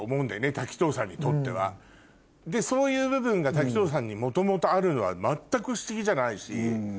滝藤さんにとっては。でそういう部分が滝藤さんに元々あるのは全く不思議じゃないし。